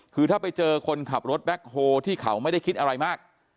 คือถ้าไปเจอคนขับรถแบ็คโฮที่เขาไม่ได้คิดอะไรมาก